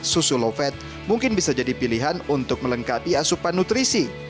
susu loved mungkin bisa jadi pilihan untuk melengkapi asupan nutrisi